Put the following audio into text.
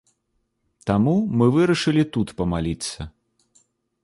Таму мы вырашылі тут памаліцца.